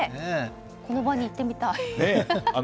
この場に行ってみたい。